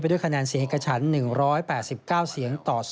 ด้วยคะแนนเสียงเอกฉัน๑๘๙เสียงต่อ๐